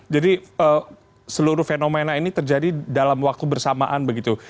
jadi seluruh fenomena ini terjadi dalam waktu bersamaan begitu